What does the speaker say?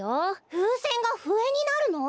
ふうせんがふえになるの？